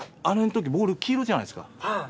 あれのときボール黄色じゃないですか。